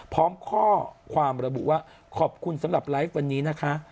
พร้อมข้อความระบุว่าขอบคุณสำหรับไลฟ์วันนี้นะคะ